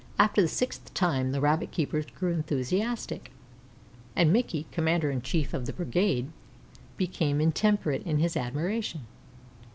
After the sixth time the rabbit keepers grew enthusiastic, and Mickey, commander in chief of the brigade, became intemperate in his admiration.